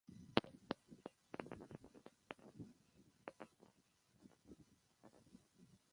তাদের একটি কাপড়ের মিল ইউবিআই-এর থেকে ঋণ নেয়।